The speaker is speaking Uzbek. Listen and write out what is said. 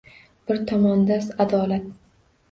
Bir tomonda adolat.